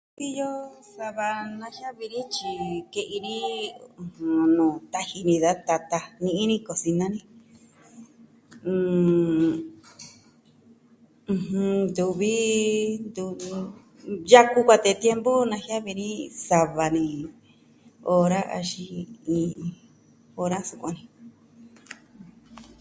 Iyo sava najiavi ni tyike'i ni nuu taji ni da tata, ni'i ni kosina ni, nn... ntuvi yaku kuatee tiempu najiavi ni sava ni ora axin ni... ora sukuan ni.